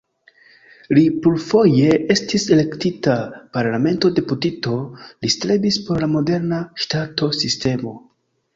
Li plurfoje estis elektita parlamenta deputito, li strebis por la moderna ŝtato-sistemo.